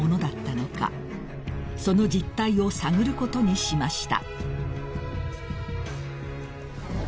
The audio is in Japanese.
［その実態を探ることにしました］